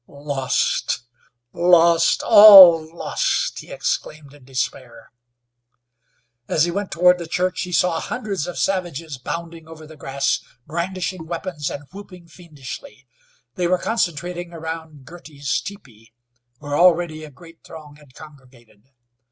"Lost! Lost! All lost!" he exclaimed in despair. As he went toward the church he saw hundreds of savages bounding over the grass, brandishing weapons and whooping fiendishly. They were concentrating around Girty's teepee, where already a great throng had congregated.